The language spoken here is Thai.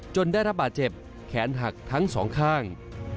ได้รับบาดเจ็บแขนหักทั้งสองข้าง